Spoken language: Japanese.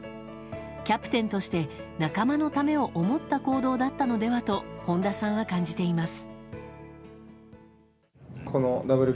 キャプテンとして、仲間のためを思った行動だったのではと本田さんは感じています。